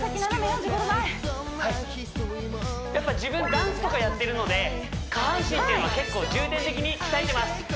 ４５度前やっぱ自分ダンスとかやってるので下半身っていうのは結構重点的に鍛えてます